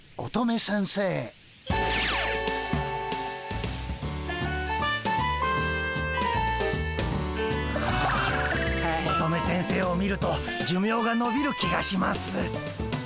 乙女先生を見ると寿命がのびる気がします。